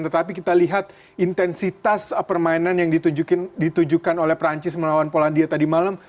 tetapi kita lihat intensitas permainan yang ditujukan oleh perancis melawan polandia tadi malam